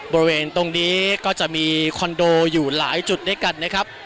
บริเวณตรงนี้ก็จะมีคอนโดอยู่หลายจุดด้วยกันนะครับ